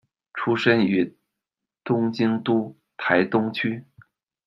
出身于东京都台东区。